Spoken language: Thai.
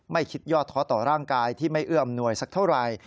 ไม่คิดยอดท้อต่อร่างกายที่ไม่เอื้ออำนวยสักเท่าไหร่